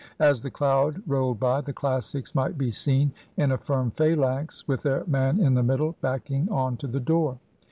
As the cloud rolled by, the Classics might be seen in a firm phalanx, with their man in the middle, backing on to the door.